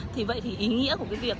thì vậy thì ý nghĩa của cái việc